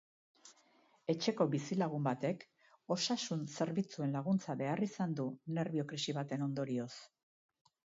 Etxeko bizilagun batek osasun zerbitzuen laguntza behar izan du nerbio-krisi baten ondorioz.